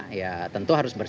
seis juga menentukan sesuatu